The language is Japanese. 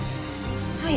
はい。